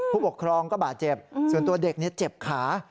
ผู้ปกครองก็บาดเจ็บส่วนตัวเด็กเจ็บขา